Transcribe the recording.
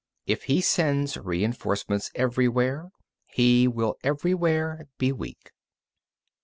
If he sends reinforcements everywhere, he will everywhere be weak.